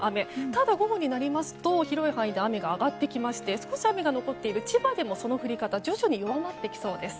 ただ、午後になりますと広い範囲で雨が上がってきて少し雨が残っている千葉でもその降り方徐々に弱まってきそうです。